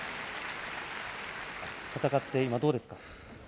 戦って今、どうですか？